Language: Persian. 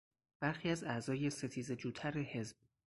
برخی از اعضای ستیزه جوتر حزب